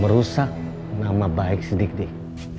merusak nama baik si dik dik